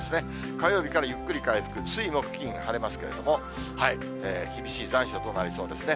火曜日からゆっくり回復、水、黙、金は晴れますけれども、厳しい残暑となりそうですね。